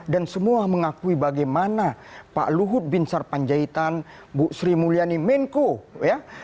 dan semua mengakui bagaimana pak luhut bin sar panjaitan bu sri mulyani menko ya